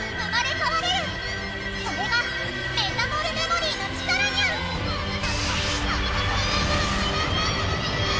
それがメタモルメモリーの力ニャン！